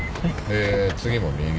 で次も右。